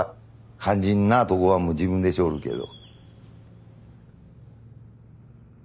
肝心なとこはもう自分でしよるけど。